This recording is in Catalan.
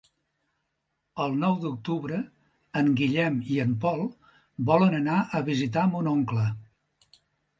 El nou d'octubre en Guillem i en Pol volen anar a visitar mon oncle.